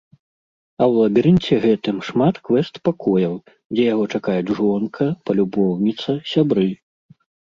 А ў лабірынце гэтым шмат квэст-пакояў, дзе яго чакаюць жонка, палюбоўніца, сябры.